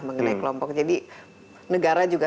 mengenai kelompok jadi negara juga